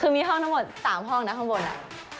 คือมีห้องทั้งหมด๓ห้องนะข้างบนอะ